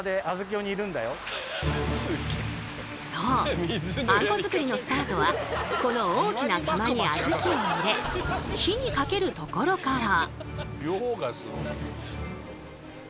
そうあんこ作りのスタートはこの大きな釜にあずきを入れ火にかけるところから。